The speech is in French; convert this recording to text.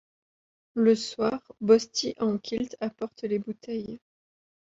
Le soir, Bosty en kilt apporte les bouteilles.